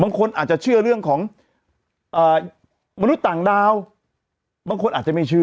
บางคนอาจจะเชื่อเรื่องของมนุษย์ต่างดาวบางคนอาจจะไม่เชื่อ